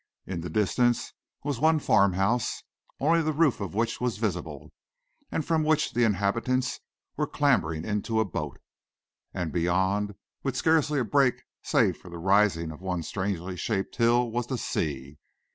In the distance was one farmhouse, only the roof of which was visible, and from which the inhabitants were clambering into a boat. And beyond, with scarcely a break save for the rising of one strangely shaped hill, was the sea.